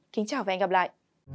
kính chào và hẹn gặp lại